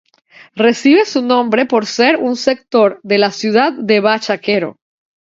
Recibe su nombre por ser un sector de la ciudad de Bachaquero.